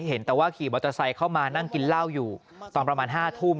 เห็นแต่ว่าขี่มอเตอร์ไซค์เข้ามานั่งกินเหล้าอยู่ตอนประมาณ๕ทุ่ม